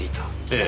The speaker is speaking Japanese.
ええ。